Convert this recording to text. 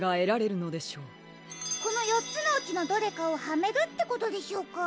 このよっつのうちのどれかをはめるってことでしょうか？